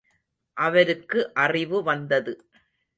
அவருக்கு அறிவு வந்தது.